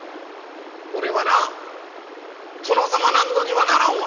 俺はな殿様なんぞにはならんわ」。